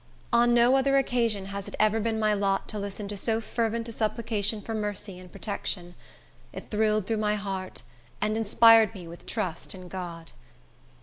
On no other occasion has it ever been my lot to listen to so fervent a supplication for mercy and protection. It thrilled through my heart, and inspired me with trust in God.